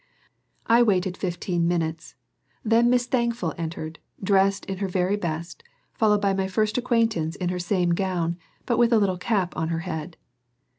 I waited fifteen minutes, then Miss Thankful entered, dressed in her very best, followed by my first acquaintance in her same gown, but with a little cap on her head.